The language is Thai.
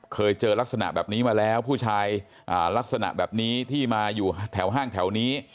เคยเจอลักษณะแบบนี้มาแล้วผู้ชายลักษณะแบบนี้ที่มาอยู่แถวห้างแถวนี้